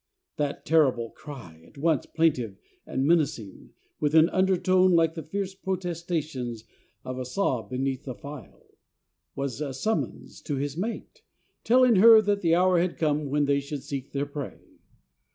That terrible cry, at once plaintive and menacing, with an undertone like the fierce protestations of a saw beneath the file, was a summons to his mate, telling her that the hour had come when they should seek their prey.